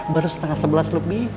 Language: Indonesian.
baru setengah sebelas lebih